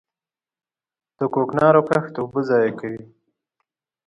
د کوکنارو کښت اوبه ضایع کوي.